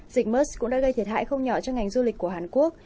dịch mus cũng đã gây thiệt hại không nhỏ cho ngành du lịch của hàn quốc